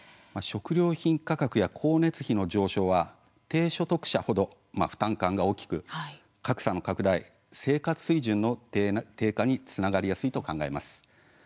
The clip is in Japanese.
食料品価格や光熱費の上昇は低所得者ほど負担感が大きく格差の拡大生活水準の低下につながりやすいと考えます。